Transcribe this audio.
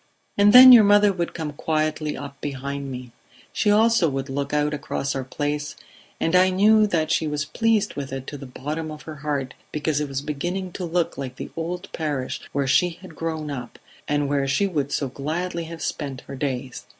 "And then your mother would come quietly up behind me. She also would look out across our place, and I knew that she was pleased with it to the bottom of her heart because it was beginning to look like the old parish where she had grown up, and where she would so gladly have spent her days.